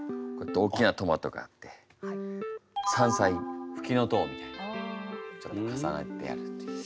大きなトマトがあって山菜フキノトウみたいなちょっと重なってあるっていう。